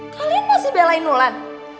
kalian masih belain wulan